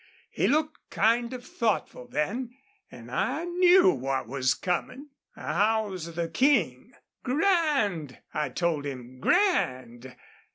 He looked kind of thoughtful then, an' I knew what was comin'....'How's the King?' 'Grand' I told him 'grand.'